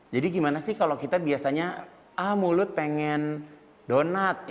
jadi gimana sih kalau kita biasanya ah mulut pengen donat